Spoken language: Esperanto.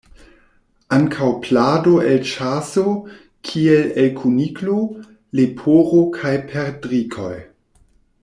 Ankaŭ plado el ĉaso, kiel el kuniklo, leporo kaj perdrikoj.